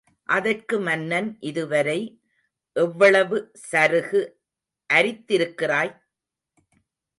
அதற்கு மன்னன் இதுவரை எவ்வளவு சருகு அரித்திருக்கிறாய்?